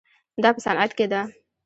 دا په صنعت کې ده.